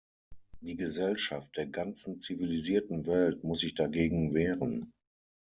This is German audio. Die Gesellschaft der ganzen zivilisierten Welt muss sich dagegen wehren.